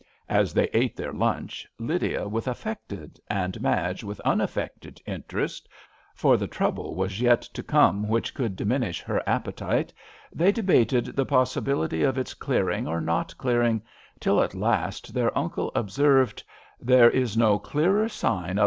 As they ate their lunch, Lydia with affected and Madge with un affected interest — ^for the trouble was yet to come which could diminish her appetite — ^they de bated the possibility of its clear ing or not clearing, till at last their uncle observed :" There is no clearer sign of 13^ A RAINY l>Ay.